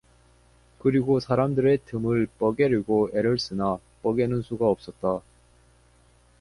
그리고 사람들의 틈을 뻐개려고 애를 쓰나 뻐개는 수가 없었다.